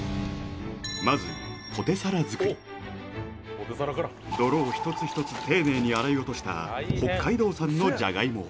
まず泥を一つ一つ丁寧に洗い落とした北海道産のじゃがいもを